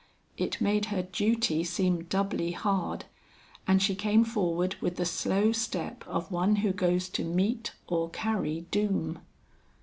It made her duty seem doubly hard, and she came forward with the slow step of one who goes to meet or carry doom.